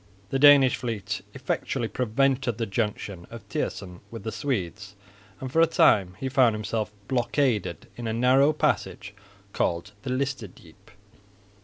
The Danish fleet effectually prevented the junction of Thijssen with the Swedes, and for a time he found himself blockaded in a narrow passage called the Listerdiep.